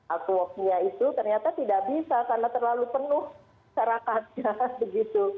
atau walknya itu ternyata tidak bisa karena terlalu penuh masyarakatnya begitu